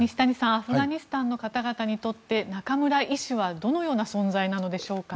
アフガニスタンの方々にとって中村医師はどのような存在なのでしょうか。